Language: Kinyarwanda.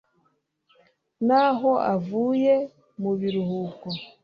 n'aho avuye mu biruhuko